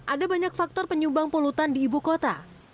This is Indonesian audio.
ada banyak faktor penyumbang polutan di ibu kota